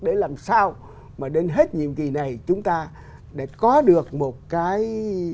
để làm sao mà đến hết nhiệm kỳ này chúng ta để có được một cái